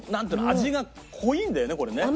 味が濃いんだよねこれね。